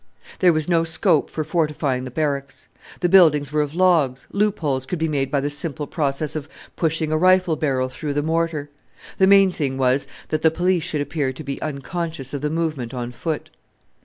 There was no scope for fortifying the Barracks. The buildings were of logs, loopholes could be made by the simple process of pushing a rifle barrel through the mortar. The main thing was that the police should appear to be unconscious of the movement on foot.